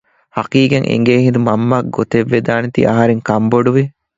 ހަޤީޤަތް އެނގޭ ހިނދު މަންމައަށް ގޮތެއްވެދާނެތީ އަހަރެން ކަންބޮޑުވި